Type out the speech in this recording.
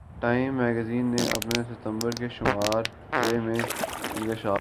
time magazine نے اپنے ستمبر کے شمارے میں انکشاف کیا